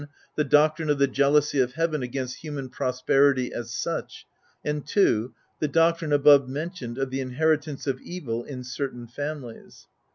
The doctrine of the jealousy of Heaven against human prosperity as such ; (ii.) The doctrine above mentioned of the inheritance of evil in certain families.